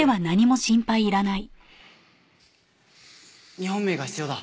日本名が必要だ。